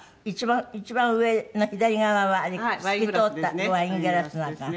一番上の左側は透き通ったワイングラスなんかが入ってる。